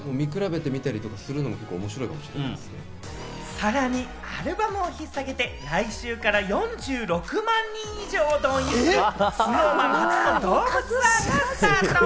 さらにアルバムを引っ提げて来週から４６万人以上を動員するＳｎｏｗＭａｎ初のドームツアーがスタート！